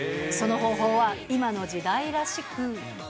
その方法は、今の時代らしく。